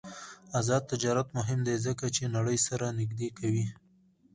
آزاد تجارت مهم دی ځکه چې نړۍ سره نږدې کوي.